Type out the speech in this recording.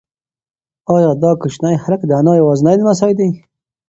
ایا دا کوچنی هلک د انا یوازینی لمسی دی؟